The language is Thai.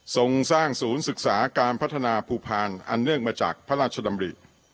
ส่งสร้างศูนย์ศึกษาการพัฒนาภูพาลอันเนื่องมาจากพระราชดำริ